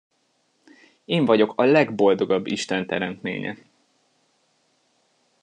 Én vagyok a legboldogabb istenteremtménye!